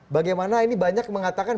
bagaimana ini banyak mengatakan